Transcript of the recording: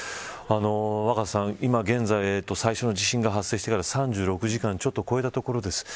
若狭さん、今現在、最初の地震が発生してから３６時間ちょっと超えたところです。